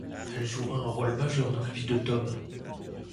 Elle jouera un rôle majeur dans la vie de Tom.